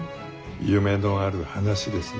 夢のある話ですね。